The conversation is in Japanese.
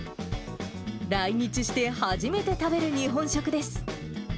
来日して初めて食べる日本食です。